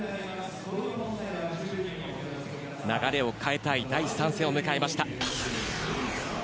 流れを変えたい第３戦を迎えました。